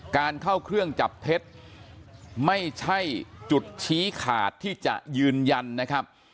การเข้าเครื่องจับเท็จไม่ใช่จุดชี้ขาดที่จะยืนยันนะครับ